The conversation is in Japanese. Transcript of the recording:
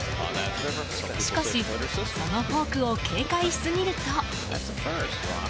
しかし、そのフォークを警戒しすぎると。